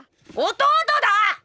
弟だ！